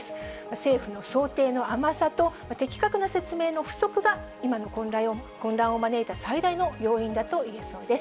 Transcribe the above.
政府の想定の甘さと、的確な説明の不足が今の混乱を招いた最大の要因だと言えそうです。